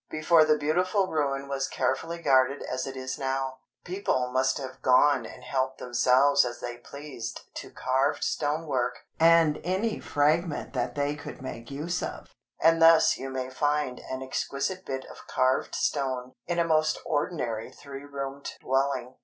Before the beautiful ruin was carefully guarded as it is now, people must have gone and helped themselves as they pleased to carved stonework and any fragment that they could make use of; and thus you may find an exquisite bit of carved stone in a most ordinary three roomed dwelling.